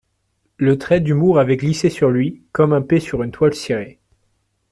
Le trait d’humour avait glissé sur lui comme un pet sur une toile cirée.